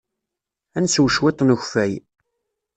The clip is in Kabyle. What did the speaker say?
Ad nsew cwiṭ n ukeffay.